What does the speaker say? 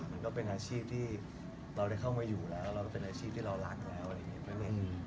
มันก็เป็นอาชีพที่เราได้เข้ามาอยู่แล้วมันก็เป็นอาชีพที่เรารักแล้ว